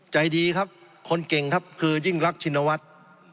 ใจดีครับคนเก่งครับคือยิ่งรักชินวัฒน์